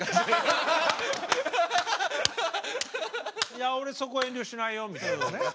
「いや俺そこは遠慮しないよ」みたいなね。